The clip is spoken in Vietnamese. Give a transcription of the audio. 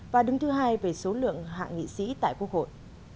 và đứng thứ hai về số lượng hạ nghị sĩ tại quốc hội